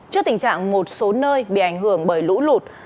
trước tình trạng một số nơi bị ảnh hưởng bởi lũ lụt